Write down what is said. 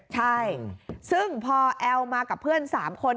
ใช่ซึ่งพอแอลมากับเพื่อน๓คน